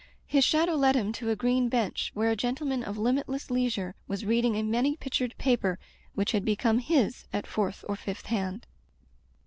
His shadow led him to a green bench where a gentleman of limitless leisure was reading a many pictured paper which had become his at fourth or fifth hand.